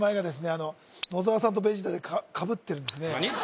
あの野沢さんとベジータでかぶってるんですね何！？